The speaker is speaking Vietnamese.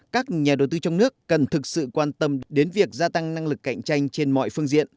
các nhà đầu tư trong nước cần thực sự quan tâm đến việc gia tăng năng lực cạnh tranh trên mọi phương diện